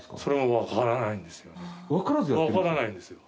わからないんです。